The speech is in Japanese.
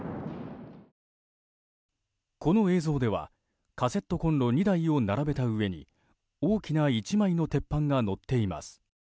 この映像ではカセットコンロ２台を並べた上に大きな１枚の鉄板が乗っています。